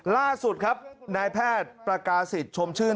ล่าสุดครับนายแพทย์ประกาศิษย์ชมชื่น